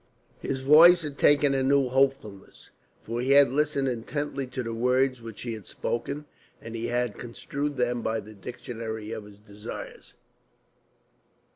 His voice had taken a new hopefulness. For he had listened intently to the words which she had spoken, and he had construed them by the dictionary of his desires.